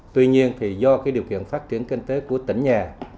tuy nhiên do điều kiện phát triển kinh tế của tỉnh nhà